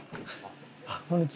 あっこんにちは。